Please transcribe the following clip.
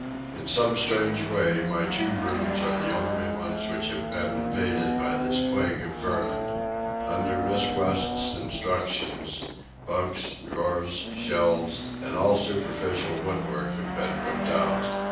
In some strange way, my two rooms are the only ones which have been invaded by this plague of vermin. Under Miss West's instructions bunks, drawers, shelves, and all superficial woodwork have been ripped out.